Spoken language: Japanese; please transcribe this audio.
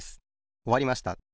おわりました。